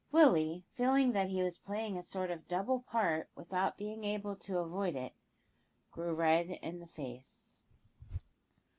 Willie, feeling that he was playing a sort of double part without being able to avoid it, grew red in the face.